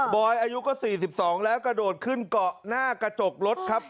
อยอายุก็๔๒แล้วกระโดดขึ้นเกาะหน้ากระจกรถครับ